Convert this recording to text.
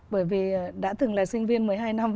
bởi vì đã từng là sinh viên một mươi hai năm